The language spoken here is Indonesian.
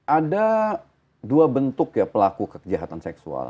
ada dua bentuk ya pelaku kejahatan seksual